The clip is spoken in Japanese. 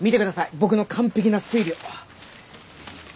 僕の完璧な推理を。